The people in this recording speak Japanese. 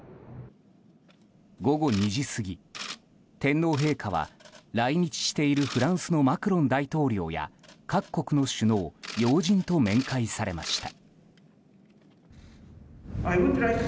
午後２時過ぎ、天皇陛下は来日しているフランスのマクロン大統領や各国の首脳、要人と面会されました。